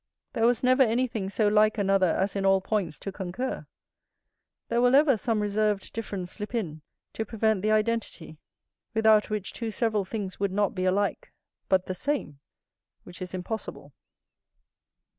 There was never anything so like another as in all points to concur; there will ever some reserved difference slip in, to prevent the identity; without which two several things would not be alike, but the same, which is impossible.